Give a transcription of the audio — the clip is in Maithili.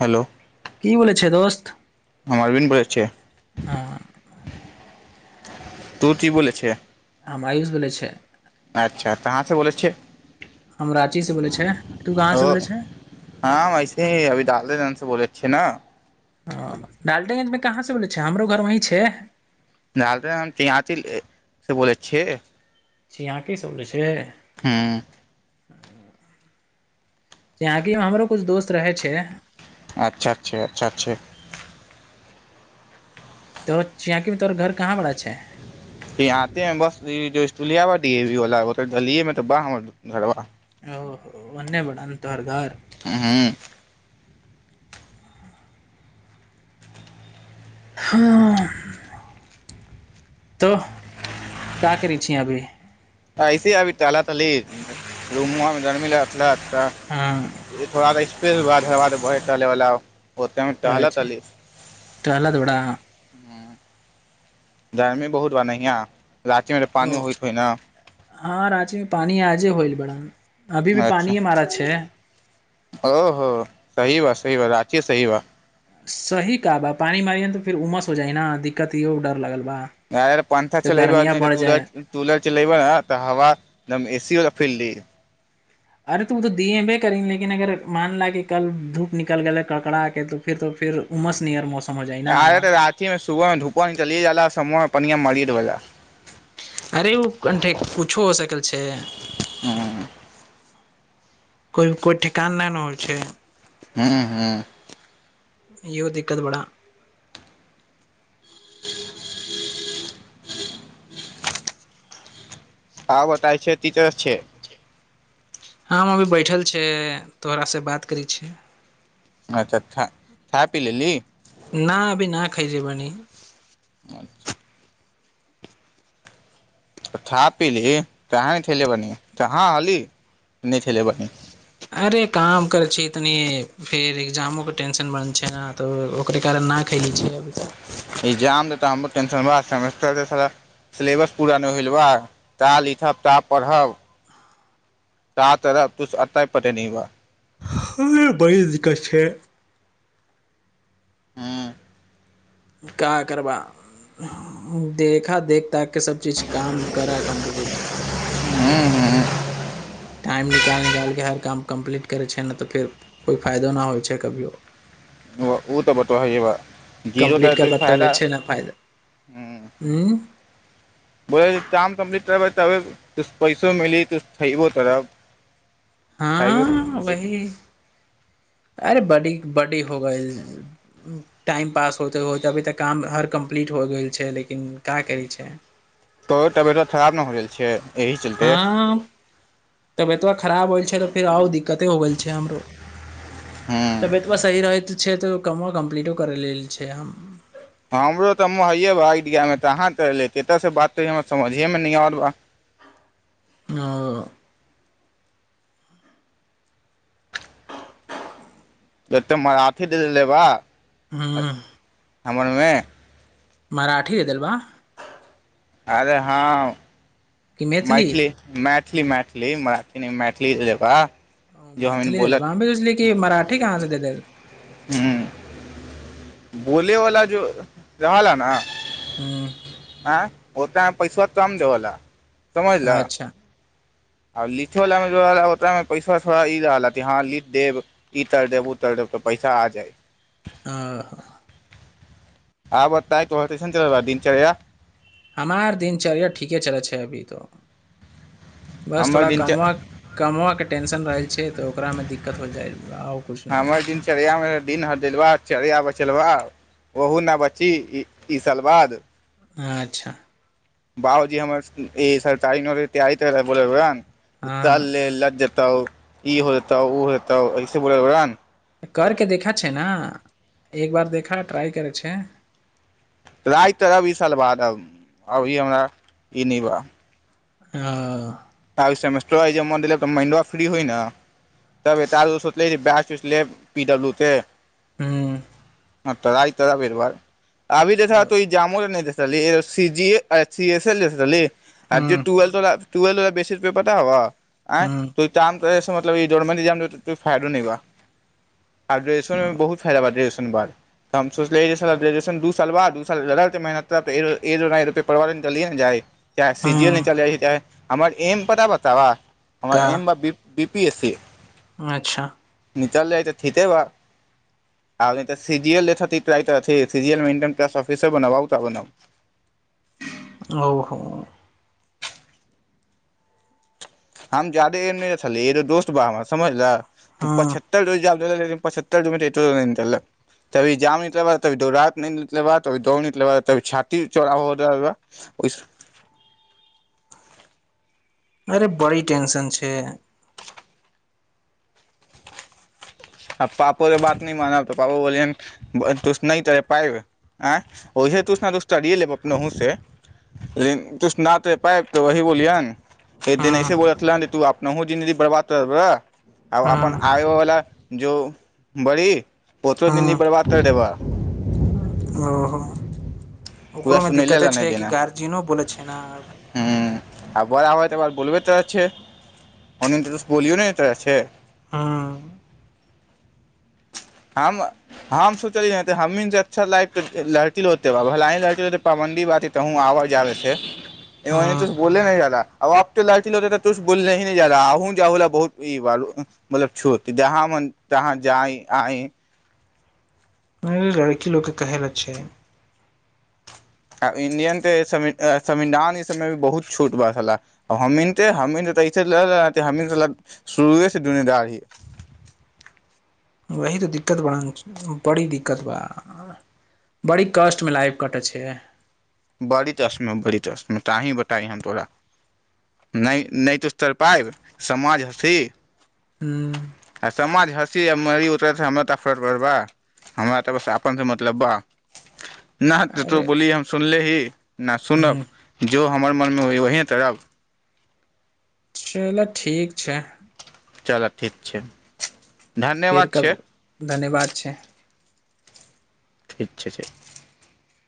हेलो की बोले छै दोस्त हमर अरबिन बोलै छै हँ तो की बोले छै हम आयुष बोलै छै अच्छा कहाँसँ बोलै छियै हम राँची से बोलै छै तू कहाँ ओ से बोलै छै हँ वैसे ही अभी डाल दे बोले छिय ने ह डालटेगंजमे कहाँ से बोलै छै हमरो घर वही छै हम चची से बोलै छियै [unintelligible] ज यहाँ की सुोल छै [unintelligible] हँ य [unintelligible] यहाँ कि हमरो कुछ दोस्त रहे छै अच्छा अच्छा अच्छा छै तोर चियकी मे तोरा घर कहाँ बड़ा छै य आते है बस स्ूलियााील त ब घरबा [unintelligible] ओ ओे ओने बारन तोहर घर हूँ ह तो क्य करी छीिय अभी ऐसे अभी त तली रुमे जर्मिललत [unintelligible] हँ तऽ थोड़ा दै फेर बाद हाद ब टेवला [unintelligible] ओतमे कहहला तली तऽल तथोड़ा [unintelligible] गर्मी बहुत ब ने यैहाँ रातीमे तऽ पानि होइत होइ ने हँ राँचीमे पानी आजे होइल बड़ा अभी भी पानि ह मारा अ्छै ओ हो सही बा सही ब राँचीये सही बा सही कह बा पानी मारियए ने त फर उमस हो जाइ ना दिक्कत ई र लगल बा य पंथा तऽ चलेब गर्मिया तऽ बढ़ जाए टलर चलेबऽ हव एकद एसी [unintelligible] फिल दी अरे तू ओ दिय भे करी लेकिन अगर मान ल कि कल धूप निकल गेलै कड़कड़ा के त फर तो फर उमस नयर मौसम हो जाइ न अरे तऽ राति में सुबह धूपह चलिये जाला समह [unintelligible] पनआ मड़ि दबैा [unintelligible] अरे ओ कठ पूछो हो सकल छै हँ कोइ कोइ ठेकान न न होइ छै हँ हँ इहो दिक्कत बड़ा [inaudible] आ बताय छै ती तस छै हम अभी बैठल छै तोहरासँ बात करै छी अच्छा खा पी लेली न अभी न खाय जे बनी [unintelligible] अचछा त खा पी ली कानी खे बनि कहाँ हली खेलेबनी अरे काम करै छी तनी फेर एग्जामो के टेंशन बन छै ने तऽ ओकरे कारण नहि खैले छै एग्जाम देतह हमरो टेंशन बह सेमेस्टर सँ सारा सिलेबस पूरा नहि होयल बा का लिखब का पढ़ब त त रह तु अता ह पते न बा ह बरी दिकत छै हँ क करबा देखा देख ताक के सब चीज काम करा कम्प्लीट हूँ ह क कै तऽर फ नहि हो छै क [unintelligible] ओ तऽ बतबबा जीरो कम्प्लीट तऽतै करबा फायदा तबे छै ने फायदा ह्म हूं [unintelligible] बोल काम कम्प्लीट करबै तब पैसो मिली त खयबो तरब हँ वही अरे बडी बड्डी हो गेल टाइम पास होते होते अभी तऽ काम हर कम्प्लीट हो गेल छै लेकिन क्य करै छै त तबियत खराब ने हो रहल छै एहि चलते तब एतबा खराब होल छै त फर आ कते हो गेल छै हमरो हूँ तबियत सी रहै छै तऽ कमो कम्प्लीटो कर लेल छै हम हमरो तऽ हम हैयए बा एइडियामे तऽ अहाँ तऽलेतै एतयसँ बात तऽ हमरा समझेमे नहि आर बा आ एतऽ अथी देबा हँ हमरमे मराठ हदेल बा अरे हँ मैथिली मैट मैथिली मैथिल मै मैथिली मरा मैथिल मैथी जे ओ मैथिली ल भी ससली कि मराठी कहाँसँ दे दे हूँ बोले वा जो जवाला न हँ होत ह पैसा कऽम देवला अच्छा आब लिखयवलामे जो रहल ओतयमे पैसा थोड़ा ई रहल कि हँ लिख देब इतर देब ओतर देब तऽ पैसा आ जाय आ आब बताय तो स्टेशन चल रह दिनचर्या हमार दिनचर्या ठीके चलै छै अभी तो बस हमर थोड़ा दिनच कमआ कमआके टेंशन रहै छै तऽ ओकरामे दिक्कत हो जाइ आओ किछु ने हमर दिनचर्या में दिन हरदिलबा चर्या बचलबा ओहू ने बच्ची ई ईशलवाद अच्छा बउजी हमर ई सर त तैयारीोब इ तऽ हँ अले ए ल ज ई होतौ ओ होताौ ऐसे बोल ने कर के देखै छै ने एक बार देखा ट्राइ करै छै राति तऽ रहब ई साल बार अभी हमरा ई नहि बा आ आब सेमेस्टरो आइ जे मन देलक तऽ माइंडो फ्री होइ ने तार दसो लै ब सले पी ब्ल्यू ह्म म आइतार बेरबार अभी देखा हूँ तो ई जामो नहि देखा चल सी जी सी ए लेयै आ जे ुएल तो तुे ल बे प रुपे पता हवा आ हूँ तू त फायो बा आ ग्रेजए मे बहुत फायदाा गए ब हम सोचलए साल ब [unintelligible] चाह् सीे जी एल नहि हूँ चल जाइ छै चाहे हमर एम पता बताव का हमर M B P S C अच्छा निकल जाइ तऽ े ब आ त ठिके बा नइ त सि जी एल निकाल्ब ऑफिस बनब ओहो हम जाादे नहि छले तो दोस्त बा समझल त हँ पछहत्तर रोज जाब पचत्तर द निकल तभी जाम निकल ब दौ निकले बा तभी दौड़ निकल ब ती छाती चौ [unintelligible] अरे बड़ी ेंशन छै आ पापोे बात न मान त पापो बोलिय तुस न तर पाब वह तरए लेब अपने ह से लेकिन तुस न तर पइब तऽ वह बोलियन एक दिन ऐसे हँ बोलत छल तू नहिहु जिन्ददी बर्बाद करबै आ अपन हँ आयवला जो बड़ी ओतरो दिन भी हँ बर्बाद कर देबह पूरा ओकरोमे सुनैले दिक्कते लऽ नहि छै कि देना गार्जियनो बोलै छै नेब बार बोलबे तो तऽ त बोलियौ ने तर छै हँ हम हम सोचलियै तऽ हमहीँ ने जे अच्छा लायक लड़की रहतै बाब भलाही लड़की रहतै पाबन्दी बात ह तहूँ आबर जाबै छै मने त हँ बोल नहि जाा आबब त ले त तु बोलल ही न जा आ जा ल बहुत ई मतल छ जहाँ म जहाँ जा आइ नहि लड़की लोकोे कहैल छै आ इं्डियन ते संविधान ई सभय भी बहुत छोट बात छले हमीने हमीनसे हमी शुरूएसँ जुमदार ही वही तऽ दिक्कत बड़ा बड़ी दिक्कत ब बड़ी कष्टमे लाइफ कटै छै बड़ी तस्म बड़ी तशम तहि बताय हम तोरा नहि नहि तऽ स्तर पायब समाज हथी ह्म आ समाज ह री उतर हमरा त फ पर बा हमरा तऽ बस अपन से मतलब बा [unintelligible] न त तो अरे बोली हम ही न सुुनब ह जो हमर मनमे हो वही तरब चलऽ ठीक छै चलऽ ठीक छै फेर धन्यवाद कब छै धन्यवाद छै ठीक छै ठीक